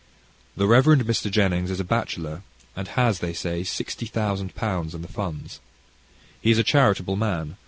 The Rev. Mr. Jennings is a bachelor, and has, they say sixty thousand pounds in the funds. He is a charitable man.